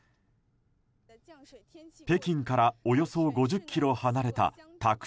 北京からおよそ５０ｋｍ離れたタク